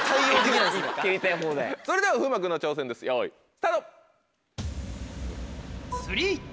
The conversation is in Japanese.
それでは風磨君の挑戦です用意スタート！